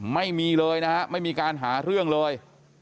ไม่มีเลยนะฮะไม่มีการหาเรื่องเลย